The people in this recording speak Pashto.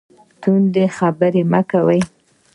تندې خبرې مه کوئ